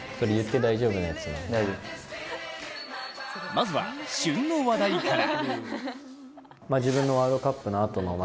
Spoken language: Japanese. まずは旬の話題から。